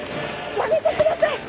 やめてください！